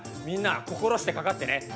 みんな心してかかってね。